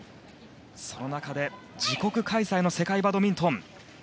その中で自国開催の世界バドミントン。